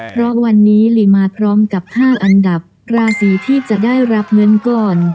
เพราะวันนี้ลีมาพร้อมกับ๕อันดับราศีที่จะได้รับเงินก่อน